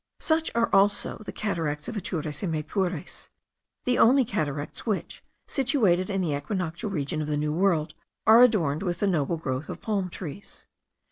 Such also are the cataracts of Atures and Maypures; the only cataracts which, situated in the equinoctial region of the New World, are adorned with the noble growth of palm trees.